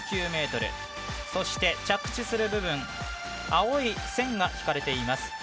そして、着地する部分青い線が引かれています。